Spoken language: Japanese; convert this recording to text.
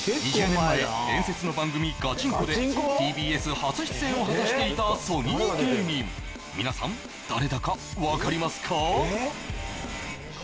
２０年前伝説の番組「ガチンコ！」でＴＢＳ初出演を果たしていたソニー芸人皆さん誰だか分かりますか？